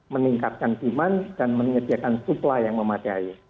meningkatkan himan dan menyediakan suplai yang memadai